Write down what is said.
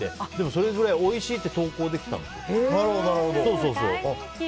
それぐらいおいしいって投稿で行ったんです。